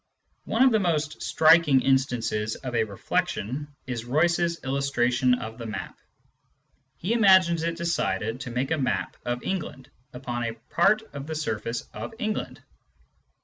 One of the most striking instances of a " reflexion " is Royce's illustration of the map : he imagines it decided to make a map of England upon a part of the surface of England.